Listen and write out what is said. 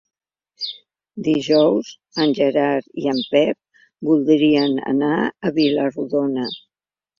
Dijous en Gerard i en Pep voldrien anar a Vila-rodona.